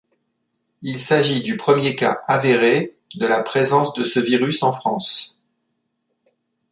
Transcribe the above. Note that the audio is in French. Il s'agit du premier cas avéré de la présence de ce virus en France.